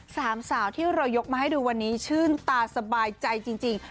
สามสาวที่เรายกมาให้ดูวันนี้ชื่นตาสบายใจจริง